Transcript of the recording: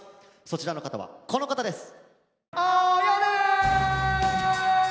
そちらの方はこの方です！